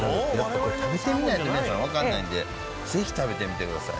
これ食べてみないと皆さん分かんないんで爾食べてみてください。